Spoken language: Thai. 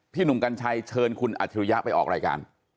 หนุ่มกัญชัยเชิญคุณอัจฉริยะไปออกรายการ